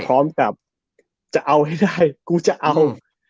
ก็เหมือนกับจะเอาให้ดายกูจะเอา